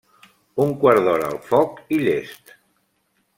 Un quart d'hora al foc i llest.